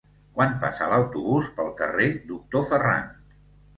Quan passa l'autobús pel carrer Doctor Ferran?